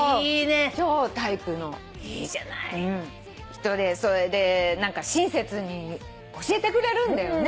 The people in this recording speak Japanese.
超タイプの人でそれで何か親切に教えてくれるんだよね。